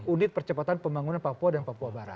unit percepatan pembangunan papua dan papua barat